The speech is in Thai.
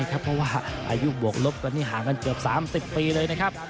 เพราะว่าอายุบวกลบกันนี่ห่างกันเกือบ๓๐ปีเลยนะครับ